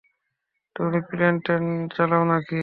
তুমি প্লেন-টেন চালাও নাকি?